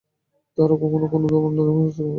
তাহারা কখনও অন্যের ধর্মে হস্তক্ষেপ করে না।